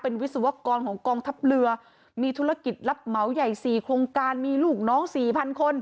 เป็นวิศวกรของกองทัพเรือมีธุรกิจรับเหมาใหญ่๔โครงการมีลูกน้องสี่พันคน